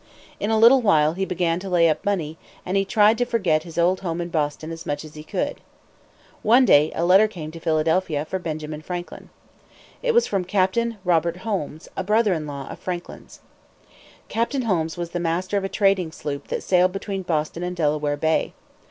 In a little while he began to lay up money, and he tried to forget his old home in Boston as much as he could. One day a letter came to Philadelphia for Benjamin Franklin. It was from Captain Robert Holmes, a brother in law of Franklin's. Captain Holmes was the master of a trading sloop that sailed between Boston and Delaware Bay.